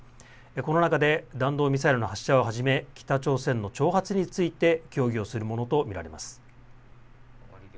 この中で弾道ミサイルの発射をはじめ北朝鮮の挑発について協議をするものと見られます。